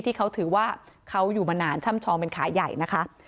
ที่เขาถือว่าเขาอยู่มานานช่ำชองเป็นขาใหญ่นะคะ